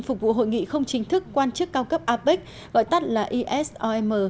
phục vụ hội nghị không chính thức quan chức cao cấp apec gọi tắt là esom